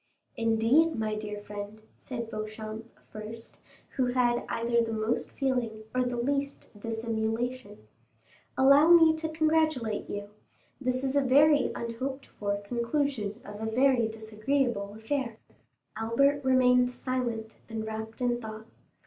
"Indeed, my dear friend," said Beauchamp first, who had either the most feeling or the least dissimulation, "allow me to congratulate you; this is a very unhoped for conclusion of a very disagreeable affair." Albert remained silent and wrapped in thought.